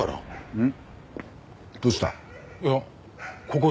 うん。